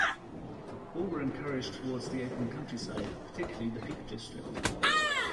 All were encouraged towards the open countryside, particularly the Peak District.